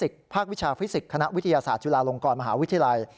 ภาควิชาฟิสิกส์คณะวิทยาศาสตร์จุฬาลงกรมหาวิทยาลัย